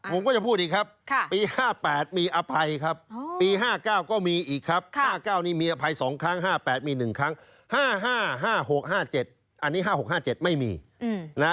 ผมก็จะพูดอีกครับปี๕๘มีอภัยครับปี๕๙ก็มีอีกครับ๕๙นี้มีอภัย๒ครั้ง๕๘มี๑ครั้ง๕๕๖๕๗อันนี้๕๖๕๗ไม่มีนะฮะ